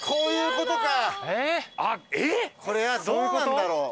これはどうなんだろう？